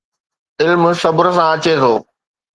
علم صبر سان اچي ٿو